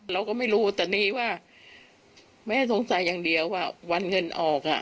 เราก็ไม่รู้แต่นี่ว่าแม่สงสัยอย่างเดียวว่าวันเงินออก